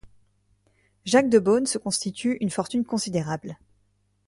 Jacques de Beaune se constitue une fortune considérable.